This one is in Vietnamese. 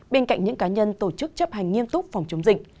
bên cạnh những cá nhân tổ chức chấp hành nghiêm túc phòng chống dịch